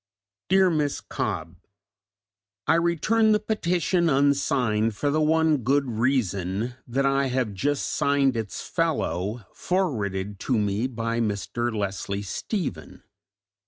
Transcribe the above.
DEAR MISS COBBE, I return the petition, unsigned for the one good reason that I have just signed its fellow forwarded to me by Mr. Leslie Stephen.